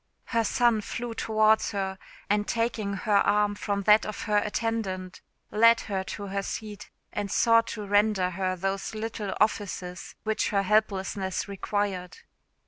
Her son flew towards her, and taking her arm from that of her attendant, led her to her seat, and sought to render her those little offices which her helplessness required.